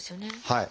はい。